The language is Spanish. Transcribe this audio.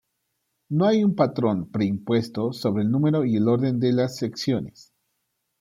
No hay un patrón pre-impuesto sobre el número y el orden de las secciones.